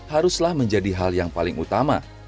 haruslah menjadi hal yang paling utama